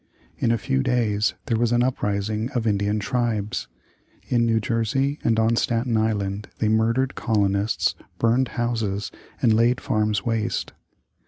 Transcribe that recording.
In a few days there was an uprising of Indian tribes. In New Jersey and on Staten Island they murdered colonists, burned houses, and laid farms waste.